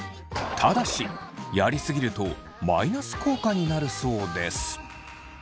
ただしやりすぎるとマイナス効果になるそうです。